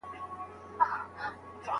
د خپلي مقالې پیلنۍ مسوده ژر بشپړه کړئ.